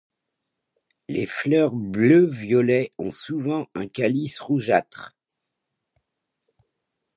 Les fleurs bleu-violet ont souvent un calice rougeâtre.